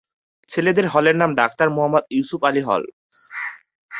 ছেলেদের হলের নাম ডাক্তার মোহাম্মদ ইউসুফ আলী হল।